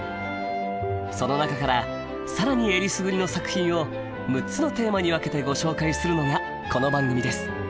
その中から更にえりすぐりの作品を６つのテーマに分けてご紹介するのがこの番組です。